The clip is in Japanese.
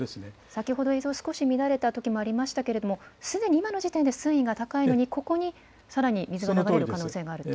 先ほど映像少し乱れたときもありましたけれども、すでに今の時点で水位が高いのに、ここにさらに水が流れる可能性があると？